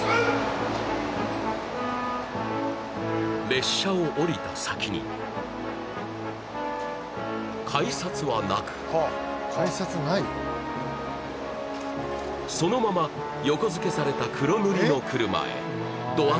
列車を降りた先に改札はなくそのまま横付けされた黒塗りの車へドア